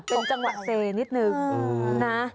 เป็นจังหวะเซนิดนึงนะ